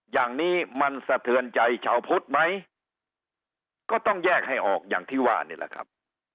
อย่างนี้มันสะเทือนใจชาวพุทธไหมก็ต้องแยกให้ออกอย่างที่ว่านี่แหละครับ